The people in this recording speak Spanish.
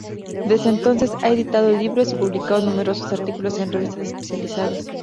Desde entonces, ha editado libros y publicado numerosos artículos en revistas especializadas.